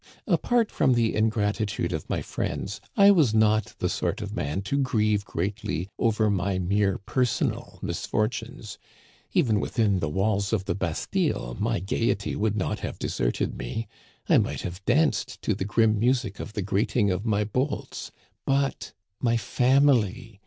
Apart from the ingratitude of my friends, I was not the sort of man to grieve greatly over my mere personal mis fortunes. Even within the walls cf the Bastille my gay ety would not have deserted me ; I might have danced to the grim music of the grating of my bolts. But my family